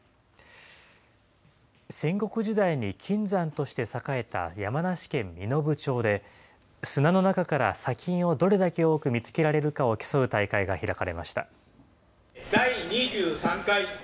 戦国時代に金山として栄えた山梨県身延町で、砂の中から砂金をどれだけ多く見つけられるかを競う大会が開かれました。